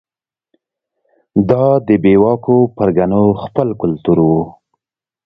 دا د بې واکو پرګنو خپل کلتور و.